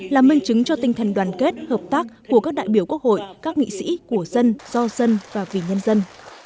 là minh chứng cho tinh thần đoàn kết hợp tác của các đại biểu quốc hội các nghị sĩ của dân do dân và vì nhân dân